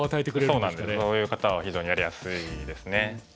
そういう方は非常にやりやすいですね。